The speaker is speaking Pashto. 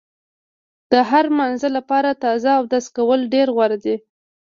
د هر مانځه لپاره تازه اودس کول ډېر غوره دي.